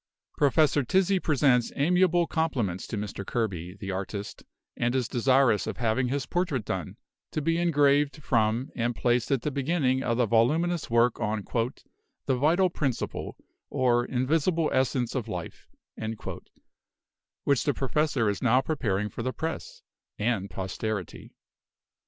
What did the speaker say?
"Professor Tizzi presents amiable compliments to Mr. Kerby, the artist, and is desirous of having his portrait done, to be engraved from, and placed at the beginning of the voluminous work on 'The Vital Principle; or, Invisible Essence of Life,' which the Professor is now preparing for the press and posterity.